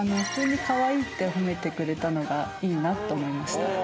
普通にかわいいって褒めてくれたのがいいなと思いました。